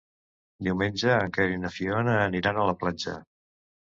Diumenge en Quer i na Fiona aniran a la platja.